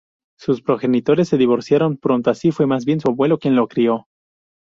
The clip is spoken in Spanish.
Sus progenitores se divorciaron pronto, así fue más bien su abuelo quien lo crio.